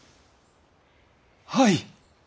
はい！